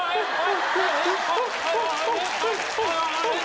はい。